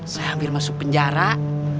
saya hampir masuk penjabat